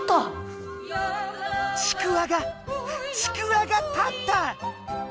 ちくわがちくわが立った！